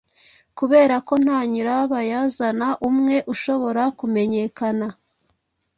kubera ko nta nyirabayazana umwe, ushobora kumenyekana.